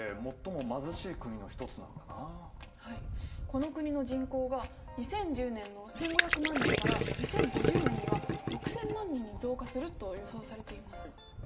この国の人口が２０１０年の１，５００万人から２０５０年には６，０００万人に増加すると予想されています。